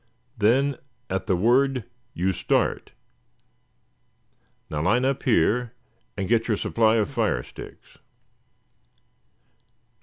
Then at the word you start. Now, line up here, and get your supply of fire sticks."